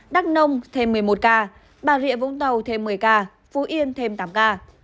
đắk nông thêm một mươi một ca bà rịa vũng tàu thêm một mươi ca phú yên thêm tám ca